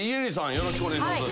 よろしくお願いします。